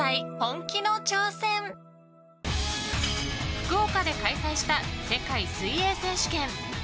福岡で開催した世界水泳選手権。